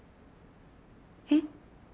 えっ。